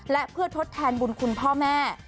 และเพื่อทดแทนบุญคุณพ่อแม่